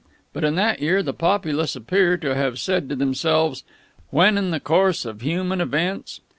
But in that year the populace appear to have said to themselves, 'When in the course of human events....'